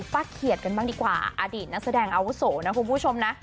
ป้าเขียดกันบ้างดีกว่าอดีตนักแสดงอาวุโสนะคุณผู้ชมนะ